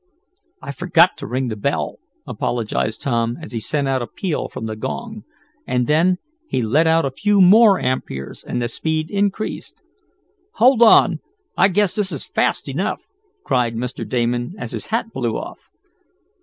"I forgot to ring the bell," apologized Tom, as he sent out a peal from the gong, and then, he let out a few more amperes, and the speed increased. "Hold on! I guess this is fast enough!" cried Mr. Damon, as his hat blew off.